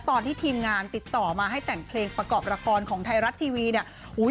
ตอนที่ทีมงานติดต่อมาให้แต่งเพลงประกอบละครของไทยรัฐทีวีเนี่ย